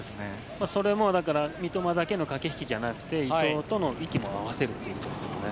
それも三笘だけの駆け引きじゃなくて伊藤との息も合わせるということですね。